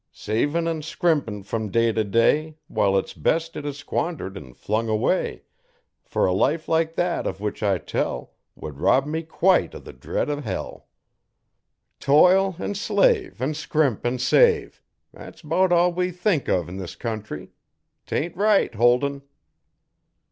Saving an' scrimping from day to day While its best it has squandered an' flung away Fer a life like that of which I tell Would rob me quite o' the dread o' hell. 'Toil an' slave an' scrimp an' save thet's 'bout all we think uv 'n this country. 'Tain't right, Holden.'